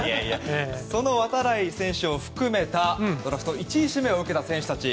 その度会選手を含めたドラフト１位指名を受けた選手たち。